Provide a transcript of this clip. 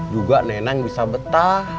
juga nenek bisa betah